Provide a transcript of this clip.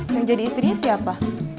yang jadi istrinya siapa